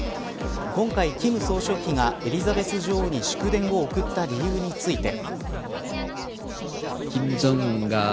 今回、金総書記がエリザベス女王に祝電を送った理由について。